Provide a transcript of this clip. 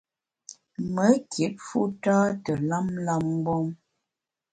Me kit fu tâ te lam lam mgbom.